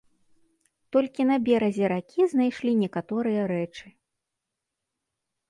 Толькі на беразе ракі знайшлі некаторыя рэчы.